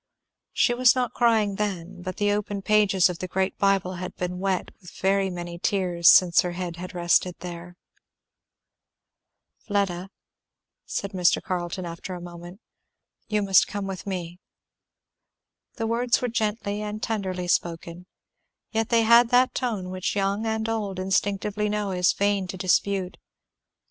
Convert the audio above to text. She was not crying then, but the open pages of the great bible had been wet with very many tears since her head had rested there. [Illustration: Fleda was sitting, her face bowed in her hands.] "Fleda," said Mr. Carleton after a moment, "you must come with me." The words were gently and tenderly spoken, yet they had that tone which young and old instinctively know it is vain to dispute.